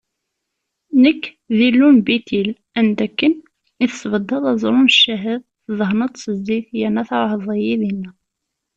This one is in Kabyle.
Nekk, d Illu n Bitil, anda akken i tesbeddeḍ aẓru d ccahed, tdehneḍ-t s zzit, yerna tɛuhdeḍ-iyi dinna.